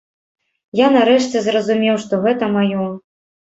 Я нарэшце зразумеў, што гэта маё.